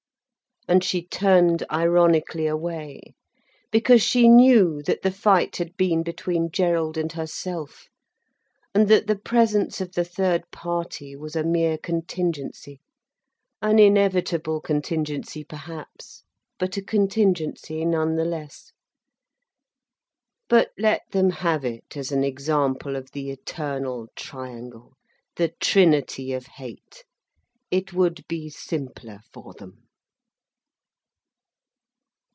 And she turned ironically away, because she knew that the fight had been between Gerald and herself and that the presence of the third party was a mere contingency—an inevitable contingency perhaps, but a contingency none the less. But let them have it as an example of the eternal triangle, the trinity of hate. It would be simpler for them.